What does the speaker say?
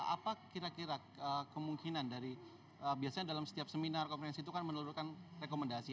apa kira kira kemungkinan dari biasanya dalam setiap seminar konferensi itu kan menurutkan rekomendasi